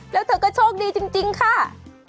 แล้วเธอก็โชคดีจริงค่ะ